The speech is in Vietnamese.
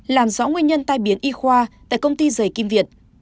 làm rõ nguyên nhân tai biến y khoa tại công ty dày kim việt